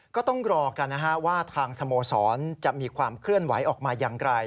ก็ต้องรอกันนะฮะว่าทางสโมสรจะมีความเคลื่อนไหวออกมาอย่างไร